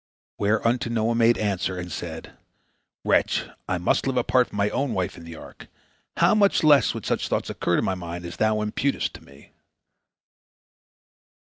Where unto Noah made answer, and said: "Wretch! I must live apart from my own wife in the ark. How much less would such thoughts occur to my mind as thou imputest to me!"